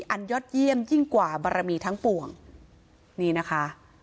อันยอดเยี่ยมยิ่งกว่าบารมีทั้งปวงนี่นะคะ